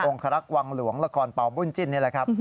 คลักษ์วังหลวงละครเป่าบุญจิ้นนี่แหละครับ